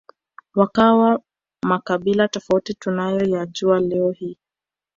wakawa makabila tofauti tunayoyajua leo hii